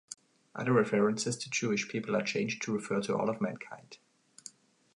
Other references to Jewish people are changed to refer to all of mankind.